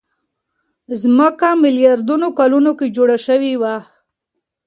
ځمکه ميلياردونو کلونو کې جوړه شوې.